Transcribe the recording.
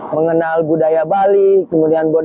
mengenal budaya bali kemudian